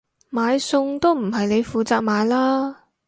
買餸都唔係你負責買啦？